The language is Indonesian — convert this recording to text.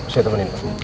saya temenin pak